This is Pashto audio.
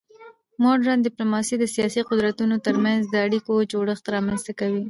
مډرن ډیپلوماسي د سیاسي قدرتونو ترمنځ د اړیکو جوړښت رامنځته کوي